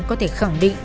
có thể khẳng định